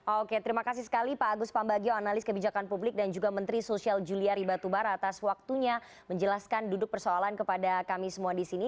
oke terima kasih sekali pak agus pambagio analis kebijakan publik dan juga menteri sosial juliari batubara atas waktunya menjelaskan duduk persoalan kepada kami semua di sini